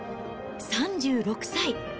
３６歳。